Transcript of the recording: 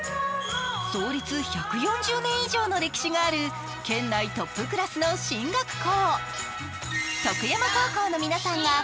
創立１４０年以上の歴史がある県内トップクラスの進学校。